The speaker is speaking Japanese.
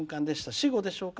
死語でしょうか？